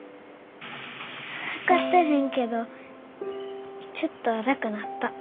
測ってへんけどちょっと楽なった。